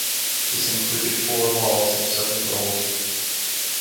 This included four hauls of seven goals.